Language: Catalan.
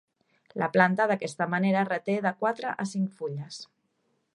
La planta d'aquesta manera reté de quatre a cinc fulles.